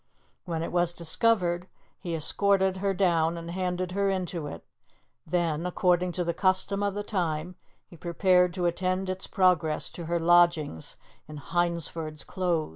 When it was discovered, he escorted her down and handed her into it, then, according to the custom of the time, he prepared to attend its progress to her lodgings in Hyndford's Close.